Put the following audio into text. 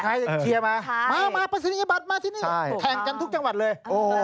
คล้ายเชียร์มามาปรายศนียบัตรมาสินี่แทงกันทุกจังหวัดเลยโอ้